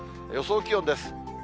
予想気温です。